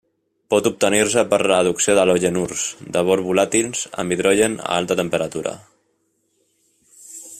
Pot obtenir-se per reducció d'halogenurs de bor volàtils amb hidrogen a alta temperatura.